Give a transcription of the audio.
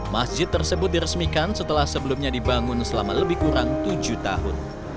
masjid tersebut diresmikan setelah sebelumnya dibangun selama lebih kurang tujuh tahun